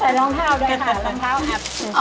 จะใส่รองเท้าด้วยนะคะ